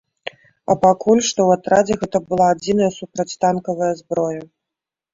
А пакуль што ў атрадзе гэта была адзіная супрацьтанкавая зброя.